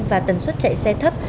và tần suất chạy xe thấp